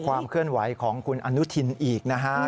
ความเคลื่อนไหวของคุณอนุทินอีกนะฮะ